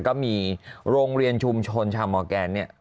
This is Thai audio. ก็มีโรงเรียนชุมชนชาวมอร์แกนเนี่ย